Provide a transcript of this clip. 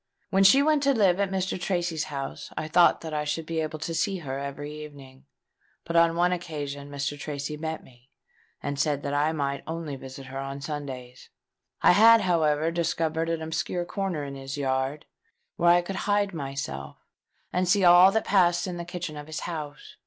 When she went to live at Mr. Tracy's house, I thought that I should be able to see her every evening; but on one occasion Mr. Tracy met me, and said that I might only visit her on Sundays. I had, however, discovered an obscure corner in his yard, where I could hide myself and see all that passed in the kitchen of his house.